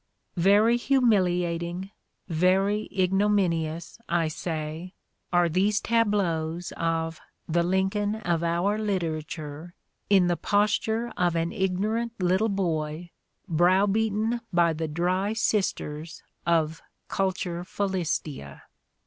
" Very humiliating, very igno minious, I say, are these tableaux of "the Lincoln of our literature" in the posture of an ignorant little boy browbeaten by the dry sisters of Culturet Philistia.